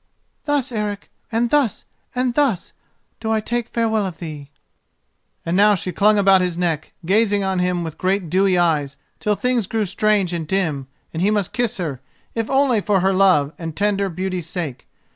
Thus, Eric! and thus! and thus! do I take farewell of thee." And now she clung about his neck, gazing on him with great dewy eyes till things grew strange and dim, and he must kiss her if only for her love and tender beauty's sake.